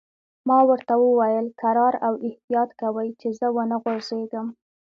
ما ورته وویل: کرار او احتیاط کوئ، چې زه و نه غورځېږم.